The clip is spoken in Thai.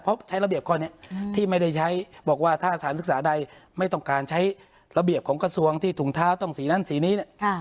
เพราะใช้ระเบียบค่อยนี้บอกว่าถ้าสารศึกษาใดไม่ต้องการใช้ระเบียบของกระทรวงที่ถุงท้าต้องสีนั้นสีนี้